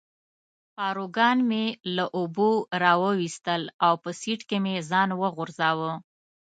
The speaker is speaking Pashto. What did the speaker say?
پاروګان مې له اوبو را وویستل او په سیټ کې مې ځان وغورځاوه.